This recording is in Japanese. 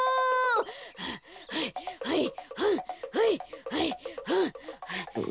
はぁはいはいはんはいはいはんはぁ。